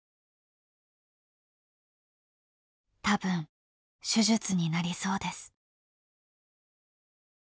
「たぶん手術になりそうです！」。